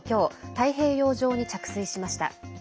太平洋上に着水しました。